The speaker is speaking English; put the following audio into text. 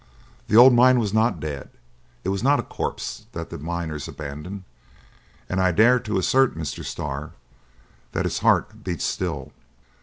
The old mine was not dead. It was not a corpse that the miners abandoned; and I dare to assert, Mr. Starr, that its heart beats still."